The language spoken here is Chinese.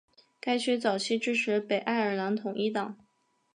该区早期支持北爱尔兰统一党。